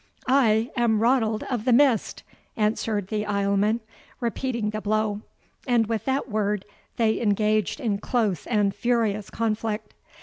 "I am Ranald of the Mist!" answered the Islesman, repeating the blow; and with that word, they engaged in close and furious conflict.